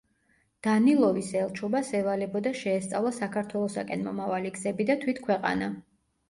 დანილოვის ელჩობას ევალებოდა შეესწავლა საქართველოსაკენ მომავალი გზები და თვით ქვეყანა.